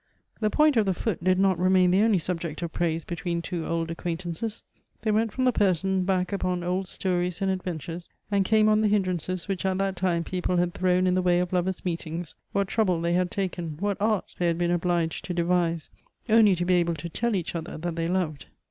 The point of the foot did not remain the only subject of praise between two old acquaintances ; they went from the person back upon old stories and adventures, and came on the hindrances which at that time people had thrown in the way of lovers' meetings — what trouble they had taken, what arts they had been obliged to de vise, only to be able to tell each other that they loved.